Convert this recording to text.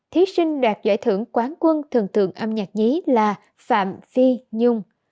thí sinh đạt giải thưởng quán quân thần tượng âm nhạc nhí là phạm phi nhung